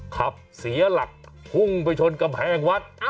ขับเสียหลักพุ่งไปชนกำแพงวัด